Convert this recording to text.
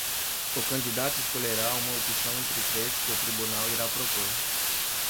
O candidato escolherá uma opção entre três que o tribunal irá propor.